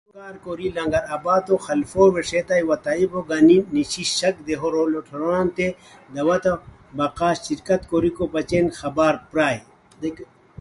ہیہُ لوؤ کار کوری لنگر آباد خلفو ویݰئتائے وا طبیبو گانی نیشی شک دیہو لوٹھوروانانتے دعوت بقا شرکت کوریکو بچین خبر پرائے